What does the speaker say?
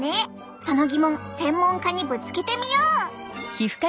その疑問専門家にぶつけてみよう！